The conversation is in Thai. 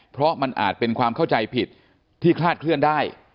เพราะมันอาจเป็นความเข้าใจผิดที่คลาดเคลื่อนได้